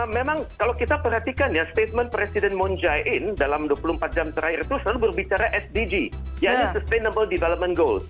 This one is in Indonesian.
memang kalau kita perhatikan ya statement presiden moon jae in dalam dua puluh empat jam terakhir itu selalu berbicara sdg yaitu sustainable development goals